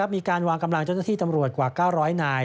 มีการวางกำลังเจ้าหน้าที่ตำรวจกว่า๙๐๐นาย